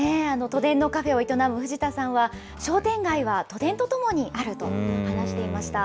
都電のカフェを営む藤田さんは、商店街は都電とともにあると話していました。